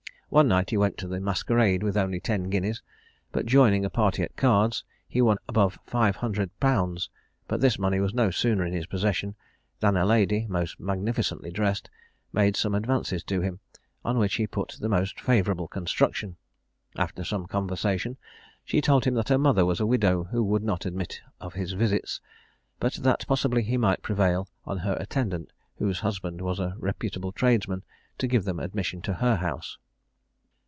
One night he went to the masquerade with only ten guineas, but joining a party at cards, he won above five hundred pounds; but this money was no sooner in his possession, than a lady, most magnificently dressed, made some advances to him, on which he put the most favourable construction. After some conversation, she told him that her mother was a widow who would not admit of his visits; but that possibly he might prevail on her attendant, whose husband was a reputable tradesman, to give them admission to her house.